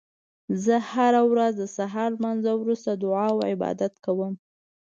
زه هره ورځ د سهار لمانځه وروسته دعا او عبادت کوم